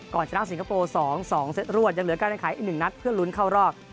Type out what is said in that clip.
ชนะสิงคโปร์๒๒เซตรวดยังเหลือการแข่งขันอีก๑นัดเพื่อลุ้นเข้ารอบ